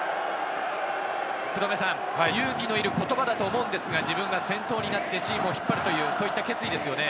勇気のいる言葉だと思うんですが、自分が先頭になってチームを引っ張るという決意ですよね。